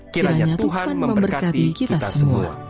kiranya tuhan memberkati kita semua